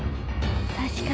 確かに。